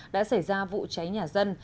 đã xảy ra vụ cháy nhà dân